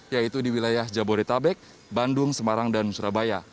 yaitu di wilayah jabodetabek bandung semarang dan surabaya